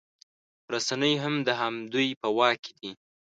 رسنۍ هم د همدوی په واک کې دي